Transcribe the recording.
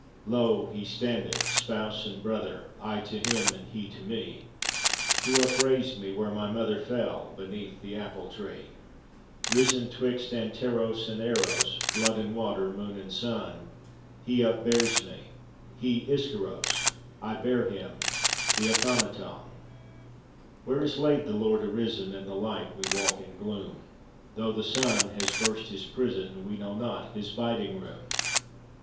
Lo! He standeth, Spouse and Brother, I to Him, and He to me, Who upraised me where my mother Fell, beneath the apple tree. Risen 'twixt Anteros and Eros, Blood and Water, Moon and Sun, He upbears me, He Ischyros, I bear Him, the Athanaton!" Where is laid the Lord arisen? In the light we walk in gloom. Though the sun has burst his prison, We know not his biding room.